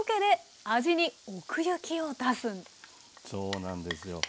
そうなんですよ。